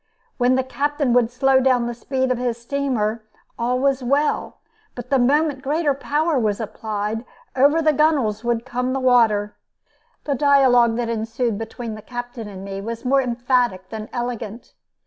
When the captain would slow down the speed of his steamer, all was well; but the moment greater power was applied, over the gunwales would come the water. The dialogue that ensued between the captain and me was more emphatic than elegant.